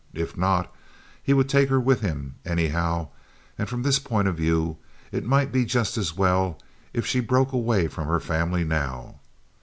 If not, he would take her with him anyhow, and from this point of view it might be just as well as if she broke away from her family now.